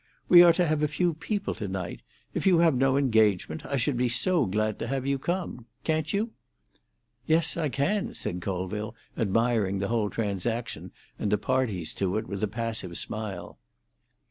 "We are to have a few people tonight. If you have no engagement, I should be so glad to have you come. Can't you?" "Yes, I can," said Colville, admiring the whole transaction and the parties to it with a passive smile.